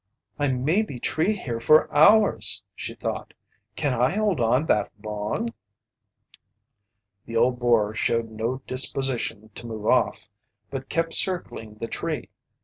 "I may be treed here for hours!" she thought. "Can I hold on that long?" The old boar showed no disposition to move off, but kept circling the tree.